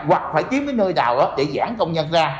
hoặc phải tiến đến nơi nào để giảng công nhận ra